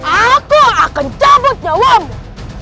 aku akan cabut jawamu